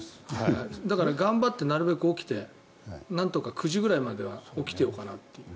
だから、頑張ってなるべく起きてなんとか９時ぐらいまでは起きてようかなって。